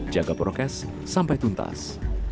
jaga prokes sampai tuntas